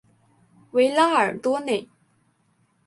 维拉尔多内。